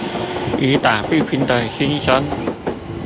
以打不平的精砷